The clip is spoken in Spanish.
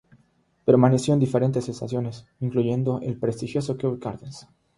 Permaneció en diferentes estaciones, incluyendo el prestigioso Kew Gardens.